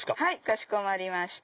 かしこまりました。